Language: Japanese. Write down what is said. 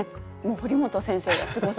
堀本先生がすごすぎて。